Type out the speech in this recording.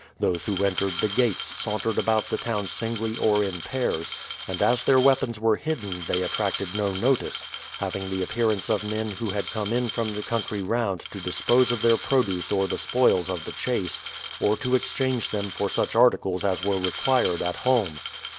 Those who entered the gates sauntered about the town singly or in pairs, and as their weapons were hidden they attracted no notice, having the appearance of men who had come in from the country round to dispose of their produce or the spoils of the chase, or to exchange them for such articles as were required at home.